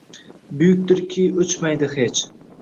Buyukdirki, oʼchmaydi hech